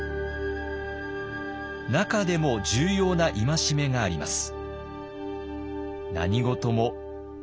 中でも重要な戒めがあります。